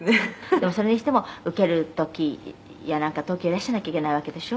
「でもそれにしても受ける時やなんか東京へいらっしゃらなきゃいけないわけでしょ？」